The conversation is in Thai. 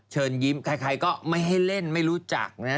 เชิญยิ้มใครก็ไม่ให้เล่นไม่รู้จักนะ